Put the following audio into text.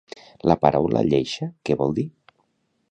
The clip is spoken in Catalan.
La paraula lleixa, què vol dir?